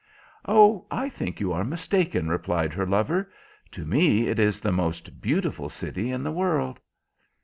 "Oh, I think you are mistaken," replied her lover. "To me it is the most beautiful city in the world."